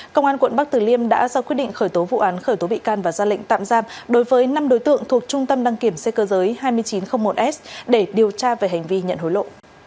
công an quận bắc tử liêm đã ra quyết định khởi tố vụ án khởi tố bị can và ra lệnh tạm giam đối với năm đối tượng thuộc trung tâm đăng kiểm xe cơ giới hai nghìn chín trăm linh một s để điều tra về hành vi nhận hối lộ